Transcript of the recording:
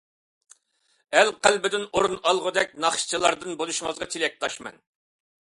ئەل قەلبىدىن ئورۇن ئالغۇدەك ناخشىچىلاردىن بولۇشىڭىزغا تىلەكداشمەن!